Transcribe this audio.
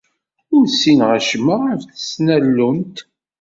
Ur ssineɣ acemma ɣef tesnallunt.